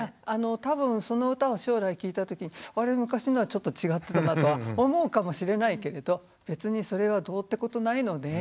多分その歌を将来聞いたときにあれ昔のはちょっと違ってたなとは思うかもしれないけれど別にそれはどうってことないので。